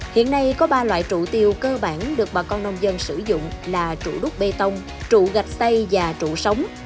hiện nay có ba loại trụ tiêu cơ bản được bà con nông dân sử dụng là trụ đúc bê tông trụ gạch xây và trụ sống